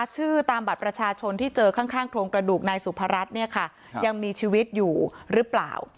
ชื่อตามบัตรประชาชนที่เจอข้างโครงกระดูกนายสุพรัชเนี่ยค่ะยังมีชีวิตอยู่หรือเปล่า